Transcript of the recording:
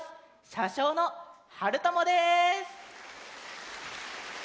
しゃしょうのはるともです。